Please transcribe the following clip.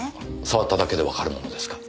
触っただけでわかるものですか？